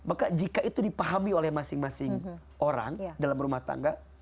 maka jika itu dipahami oleh masing masing orang dalam rumah tangga